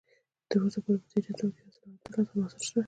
تر اوسه پورې په دې جدول کې یو سل او اتلس عناصر شته